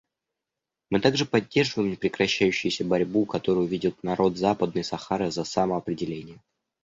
Мы также поддерживаем непрекращающуюся борьбу, которую ведет народ Западной Сахары за самоопределение.